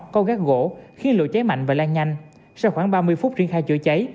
có gác gỗ khiến lửa cháy mạnh và lan nhanh sau khoảng ba mươi phút triển khai chữa cháy